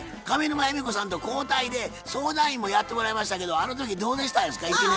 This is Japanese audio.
上沼恵美子さんと交代で相談員もやってもらいましたけどあの時どうでしたですか？